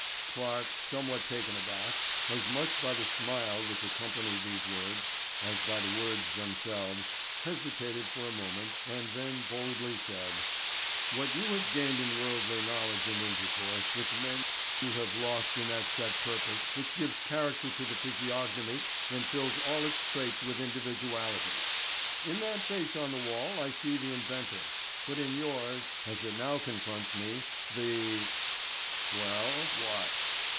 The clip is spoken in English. Clarke, somewhat taken aback, as much by the smile which accompanied these words, as by the words themselves, hesitated for a moment and then boldly said: "What you have gained in worldly knowledge and intercourse with men you have lost in that set purpose which gives character to the physiognomy and fills all its traits with individuality. In that face on the wall I see the inventor, but in yours, as it now confronts me, the——" "Well, what?"